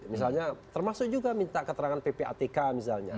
misalnya termasuk juga minta keterangan ppatk misalnya